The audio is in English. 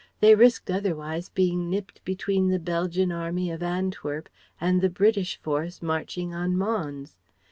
They risked otherwise being nipped between the Belgian army of Antwerp and the British force marching on Mons....